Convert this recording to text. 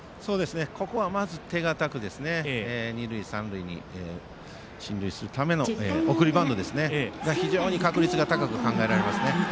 ここはまず手堅く二塁三塁に進塁するための送りバントということが非常に確率が高く考えられますね。